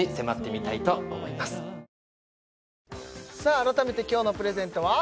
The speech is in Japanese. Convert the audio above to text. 改めて今日のプレゼントは？